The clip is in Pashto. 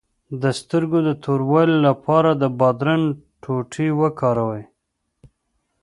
د سترګو د توروالي لپاره د بادرنګ ټوټې وکاروئ